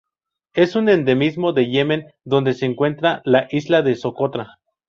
Es un endemismo de Yemen donde se encuentra en la isla de Socotra.